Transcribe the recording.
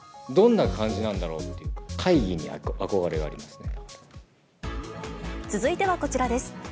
どんな感じなんだろうっていうか、続いてはこちらです。